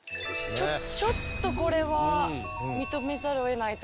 ちょっとこれは認めざるをえないというか。